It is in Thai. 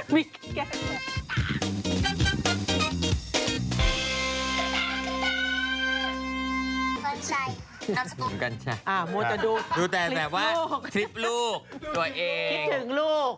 กันใช่อ่าโมทจะดูดูแต่แบบว่าทริปลูกตัวเองคิดถึงลูก